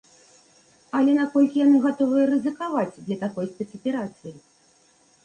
Але наколькі яны гатовыя рызыкаваць для такой спецаперацыі?